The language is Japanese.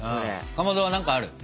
かまどは何かあるの？